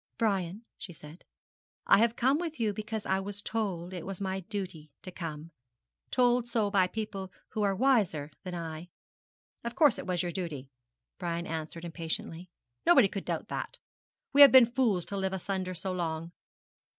'Brian,' she said, 'I have come with you because I was told it was my duty to come told so by people who are wiser than I.' 'Of course it was your duty,' Brian answered impatiently. 'Nobody could doubt that. We have been fools to live asunder so long.'